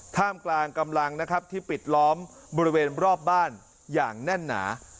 ท่ามกลางกำลังนะครับที่ปิดล้อมบริเวณรอบบ้านอย่างแน่นหนา